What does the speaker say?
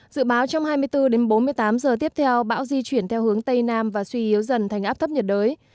dự báo trong hai mươi bốn đến bốn mươi tám giờ tiếp theo bão di chuyển theo hướng tây nam và suy yếu dần thành áp thấp nhiệt đới